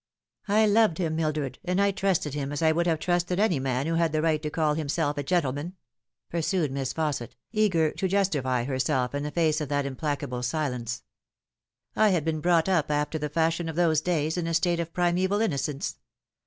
" I loved him, Mildred, and I trusted him as I would have trusted any man who had the right to call himself a gentleman," pursued Miss Fausset, eager to justify herself in the face of that Like a Tale that is Told. 349 implacable silence. " I had been brought up, after the fashion of those days, in a state of primeval innocence.